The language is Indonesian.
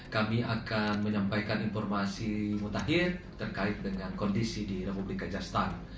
kami akan menyampaikan informasi mutakhir terkait dengan kondisi di republik kajastan